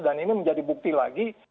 dan ini menjadi bukti lagi